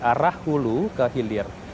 arah hulu ke hilir